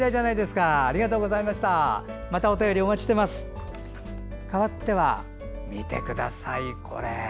かわっては見てください、これ。